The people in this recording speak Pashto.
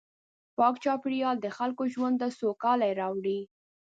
پاک چاپېریال د خلکو ژوند ته سوکالي راوړي.